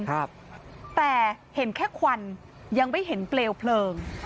ครับแต่เห็นแค่ควันยังไม่เห็นเปลวเพลิง